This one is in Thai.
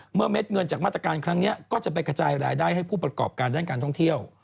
เม็ดเงินจากมาตรการครั้งนี้ก็จะไปกระจายรายได้ให้ผู้ประกอบการด้านการท่องเที่ยว